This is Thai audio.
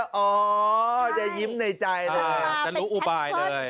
ก็จะยิ้มในใจจะรู้อุบายเลย